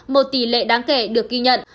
một tỷ lệ đáng kể được ghi nhận